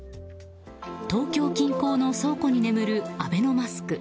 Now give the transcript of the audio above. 東京近郊の倉庫に眠るアベノマスク